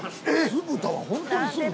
「酢豚はホントに酢豚」？